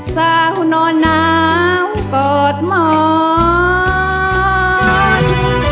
สาวนอนหนาวกอดหมอน